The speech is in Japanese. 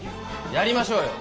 やりましょうよ